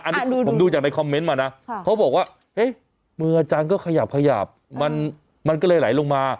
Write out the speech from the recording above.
อันนี้ผมดูจากในคอมเมนต์มานะเขาบอกว่ามืออาจารย์ก็ขยับขยับมันก็เลยไหลลงมา